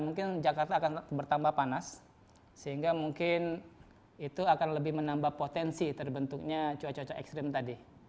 mungkin jakarta akan bertambah panas sehingga mungkin itu akan lebih menambah potensi terbentuknya cuaca ekstrim tadi